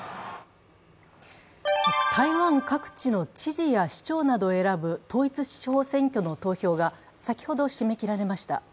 台湾各地の知事や市長などを選ぶ統一地方選挙の投票が先ほど締め切られました。